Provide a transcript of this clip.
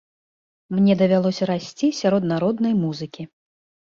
Мне давялося расці сярод народнай музыкі.